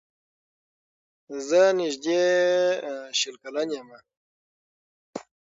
.زه نژدې شل کلن يمه